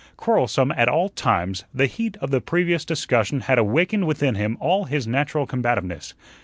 Quarrelsome at all times, the heat of the previous discussion had awakened within him all his natural combativeness.